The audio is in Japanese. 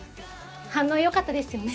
反応良かったですよね。